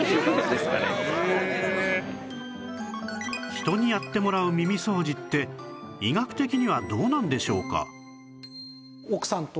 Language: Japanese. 人にやってもらう耳掃除って医学的にはどうなんでしょうか？